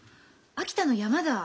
秋田の山だ。